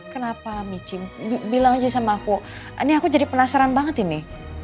kenapa mitching bilang aja sama aku ini aku jadi penasaran banget ini